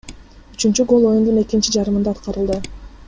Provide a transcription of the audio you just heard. Үчүнчү гол оюндун экинчи жарымында аткарылды.